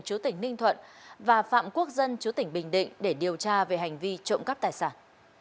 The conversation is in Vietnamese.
chú tỉnh ninh thuận và phạm quốc dân chú tỉnh bình định để điều tra về hành vi trộm cắp tài sản